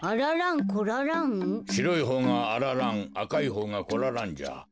しろいほうがあら蘭あかいほうがこら蘭じゃ。